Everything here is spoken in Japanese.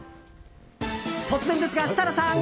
突然ですが、設楽さん。